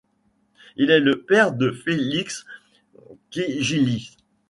Il est le père de Fēlikss Ķiģelis.